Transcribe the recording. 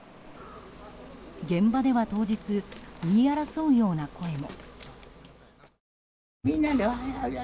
現場では当日言い争うような声も。